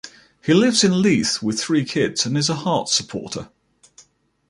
He lives in Leith, with three kids, and is a Hearts supporter.